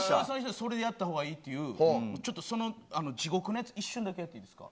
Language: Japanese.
それでやったほうがいいっていう、ちょっとその地獄の、一瞬だけ、やっていいですか。